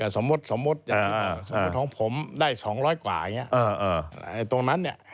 สมมติของผมได้๒๐๐กว่าอย่างนี้ตรงนั้นเนี่ย